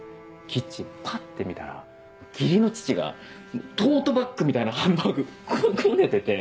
キッチンパッて見たら義理の父がトートバッグみたいなハンバーグこうこねてて。